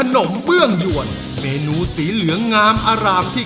เหลืองมาเลยอ่ะ